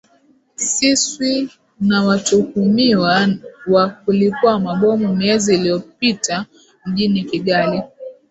siswi na watuhumiwa wa kulipua mabomu miezi iliyopita mjini kigali